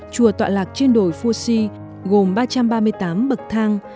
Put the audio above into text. chùa tọa lạc trên đồi phu si gồm ba trăm ba mươi tám bậc thang